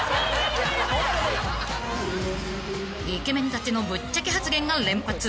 ［イケメンたちのぶっちゃけ発言が連発］